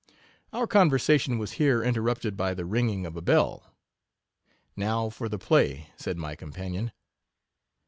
Our conversation was here interrupted by the ringing of a bell. Now for the play, said my companion.